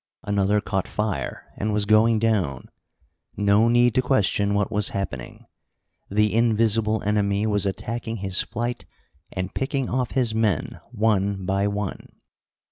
Another caught fire and was going down. No need to question what was happening. The invisible enemy was attacking his flight and picking off his men one by one!